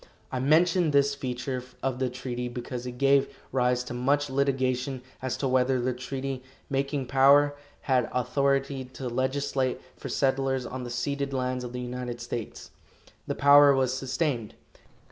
I mention this feature of the treaty because it gave rise to much litigation as to whether the treaty making power had authority to legislate for settlers on the ceded lands of the United States. The power was sustained.